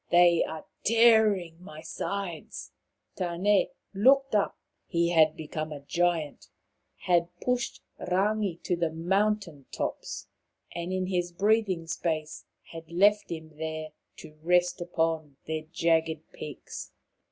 They are tearing my sides." i Tane looked up. He had become a giant, had pushed Rangi to the mountain tops, and in 26 Maoriland Fairy Tales his breathing space had left him there to rest upon their jagged peaks.